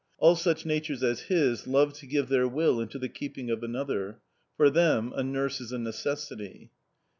All such natures as his love to give their will into the keeping of another. For them a nurse is a necessity.